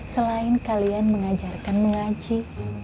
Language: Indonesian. selain kalian mengajarkan mengaji